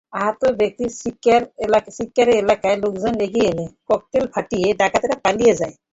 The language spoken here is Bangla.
আহত ব্যক্তিদের চিৎকারে এলাকার লোকজন এগিয়ে এলে ককটেল ফাটিয়ে ডাকাতেরা পালিয়ে যায়।